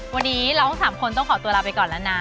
วันนี้เราทั้ง๓คนต้องขอตัวลาไปก่อนแล้วนะ